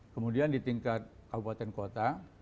kemudian di tingkat kabupaten kota